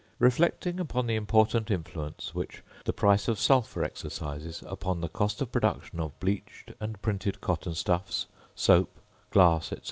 Reflecting upon the important influence which the price of sulphur exercises upon the cost of production of bleached and printed cotton stuffs, soap, glass, &c.